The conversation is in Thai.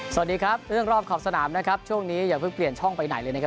สวัสดีครับเรื่องรอบขอบสนามนะครับช่วงนี้อย่าเพิ่งเปลี่ยนช่องไปไหนเลยนะครับ